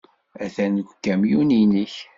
Atan deg ukamyun-nnek.